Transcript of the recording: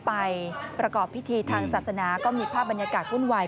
ไปประกอบพิธีทางศาสนาก็มีภาพบรรยากาศวุ่นวาย